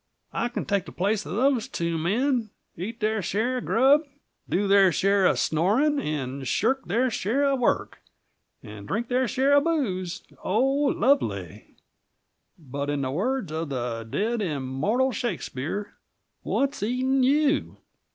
I can take the place of those two men; eat their share of grub, do their share of snoring, and shirk their share of work, and drink their share of booze oh, lovely! But, in the words of the dead, immortal Shakespeare, 'What's eating you?'